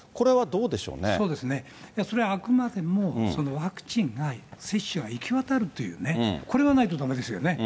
そうですね、それはあくまでもワクチンが、接種が行き渡るというね、これがないとだめですよね。